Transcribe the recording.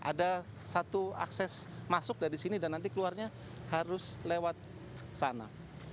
ada satu akses masuk dari sini dan nanti keluarnya harus lewat sana